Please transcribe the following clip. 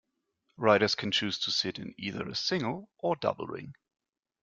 Riders can choose to sit in either a single or double ring.